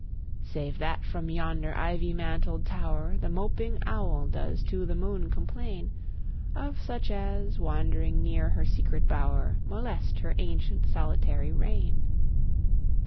Save that from yonder ivy mantled tow'r The moping owl does to the moon complain Of such as, wandering near her secret bow'r, Molest her ancient solitary reign.